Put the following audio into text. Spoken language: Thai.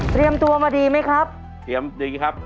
ตัวมาดีไหมครับเตรียมดีครับ